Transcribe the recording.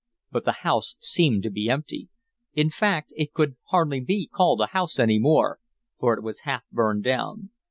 But the house seemed to be empty. In fact, it could hardly be called a house any more, for it was half burned down.